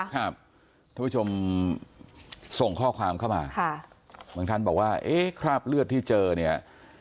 ท่านผู้ชมส่งข้อความเข้ามาค่ะบางท่านบอกว่าเอ๊ะคราบเลือดที่เจอเนี่ย